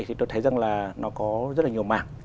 thì tôi thấy rằng là nó có rất là nhiều mảng